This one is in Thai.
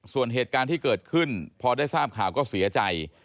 ส่วนเหตุการณ์ที่เกิดขึ้นพอได้ทราบข่าวก็เสียใจ